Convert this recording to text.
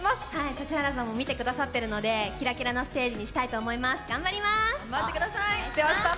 指原さんも見てくださっているので、キラキラのステージにしたいと思います。